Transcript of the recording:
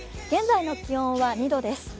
現在の気温は２度です。